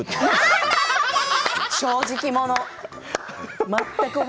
正直者！